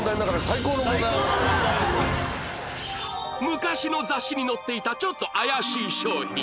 昔の雑誌に載っていたちょっと怪しい商品